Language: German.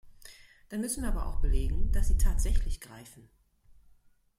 Dann müssen wir aber auch belegen, dass sie tatsächlich greifen.